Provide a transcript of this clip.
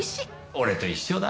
俺と一緒だ。